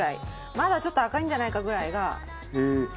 まだちょっと赤いんじゃないか？ぐらいがちょうどいい。